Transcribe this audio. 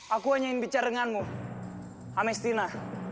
aku hanya ingin bicara denganmu pamestina